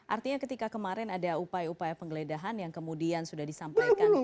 artinya ketika kemarin ada upaya upaya penggeledahan yang kemudian sudah disampaikan